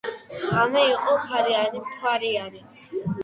ღამე იყო ქარიანი, მთვარიანი